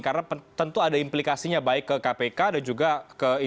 karena tentu ada implikasinya baik ke kpk dan juga ke instansi kepolisian